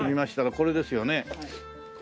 これですよね？